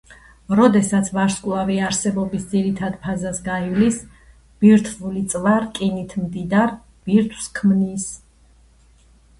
როდესაც ვარსკვლავი არსებობის ძირითად ფაზას გაივლის, ბირთვული წვა რკინით მდიდარ ბირთვს ქმნის.